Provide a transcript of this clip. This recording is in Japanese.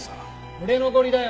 売れ残りだよ。